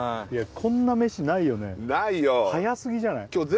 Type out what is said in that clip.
こんなメシないよねはやすぎじゃない？